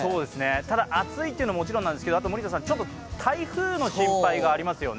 ただ暑いのはもちろんですけど、台風の心配がありますよね。